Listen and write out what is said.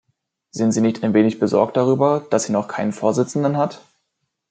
Sind Sie nicht ein wenig besorgt darüber, dass sie noch keinen Vorsitzenden hat?